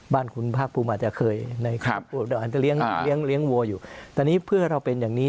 บ้านคุณภาพภูมิอาจจะเคยเลี้ยงวัวอยู่แต่นี้เพื่อเราเป็นอย่างนี้